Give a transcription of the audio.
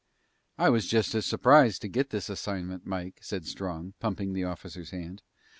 "I was just as surprised to get this assignment, Mike," said Strong, pumping the officer's hand.